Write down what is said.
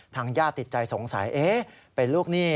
ทางย่าติดใจสงสัยเอ๊ะเป็นลูกหนี้